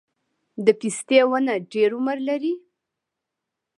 د پستې ونه ډیر عمر لري؟